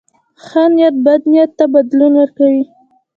ښه نیت بد نیت ته بدلون ورکوي.